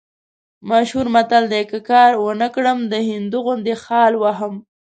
مشهور متل دی: که کار ونه کړم، د هندو غوندې خال وهم.